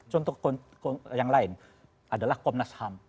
contoh yang lain adalah komnas ham